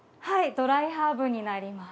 ドライハーブになります。